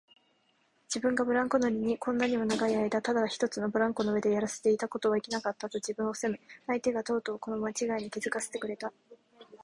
自分がブランコ乗りにこんなにも長いあいだただ一つのブランコの上でやらせていたことはいけなかった、と自分を責め、相手がとうとうこのまちがいに気づかせてくれた